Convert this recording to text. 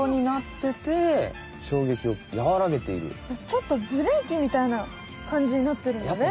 ちょっとブレーキみたいなかんじになってるんだね。